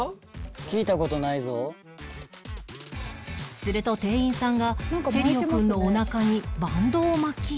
すると店員さんがチェリオくんのおなかにバンドを巻き